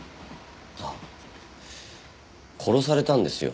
ああ殺されたんですよ